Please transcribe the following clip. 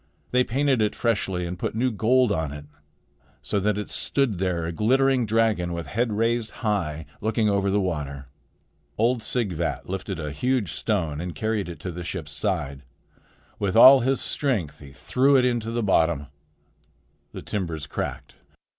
They painted it freshly and put new gold on it, so that it stood there a glittering dragon with head raised high, looking over the water. Old Sighvat lifted a huge stone and carried it to the ship's side. With all his strength he threw it into the bottom. The timbers cracked.